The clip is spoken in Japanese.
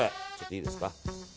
いいですか。